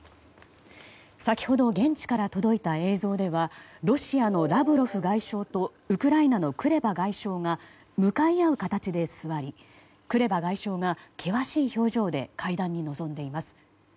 先ほど、現地から届いた映像ではロシアのラブロフ外相とウクライナのクレバ外相が向かい合う形で座りクレバ外相が険しい表情で会談に臨んでいます。